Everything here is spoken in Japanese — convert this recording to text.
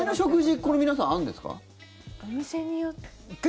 これ、皆さんあるんですか？